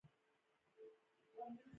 د نړۍ وګړي بیلابیلې هیلې او غوښتنې لري